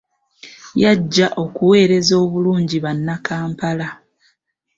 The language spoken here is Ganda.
Y'ajja okuweereza obulungi banna kampala.